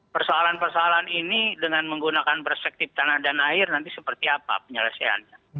persoalan persoalan ini dengan menggunakan perspektif tanah dan air nanti seperti apa penyelesaiannya